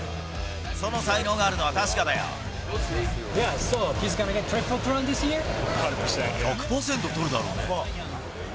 その才能があるのは確かだよ。１００％取るだろうね。